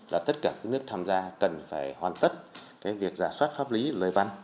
là tất cả các nước tham gia cần phải hoàn tất cái việc giả soát pháp lý lời văn